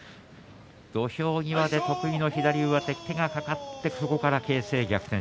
土俵際で得意の左上手に手が掛かってそこから形勢逆転。